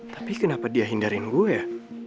tapi kenapa dia hindarin gue ya